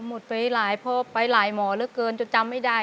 หมดไปหลายเพราะไปหลายหมอเหลือเกินจนจำไม่ได้